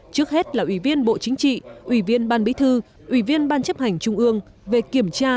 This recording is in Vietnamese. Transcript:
trước hết là ủy viên bộ chính trị ủy viên ban bí thư ủy viên ban chấp hành trung ương về kiểm tra